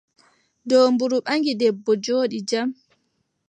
Doombru ɓaŋgi debbo, jooɗi jam.